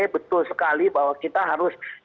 betul sekali bahwa kita harus